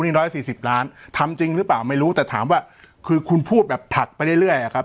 นี่ร้อยสี่สิบล้านทำจริงหรือเปล่าไม่รู้แต่ถามว่าคือคุณพูดแบบผลักไปเรื่อยอ่ะครับ